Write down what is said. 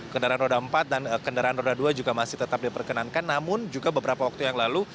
kendaraan roda empat dan kendaraan roda dua juga masih tetap diperkenankan namun juga beberapa waktu yang lalu